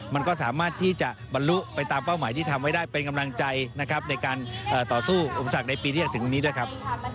มันก็สามารถที่จะบรรลุไปตามเป้าหมายที่ทำไว้ได้เป็นกำลังใจนะครับในการต่อสู้อุปสรรคในปีที่จะถึงนี้ด้วยครับ